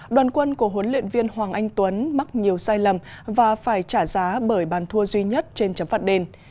đoàn quân của huấn luyện viên hoàng anh tuấn mắc nhiều sai lầm và phải trả giá bởi bàn thua duy nhất trên chấm phạt đền